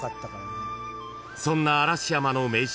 ［そんな嵐山の名所